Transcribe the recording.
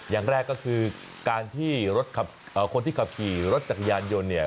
อย่างแรกก็คือคนที่ขับขี่รถจักรยานยนต์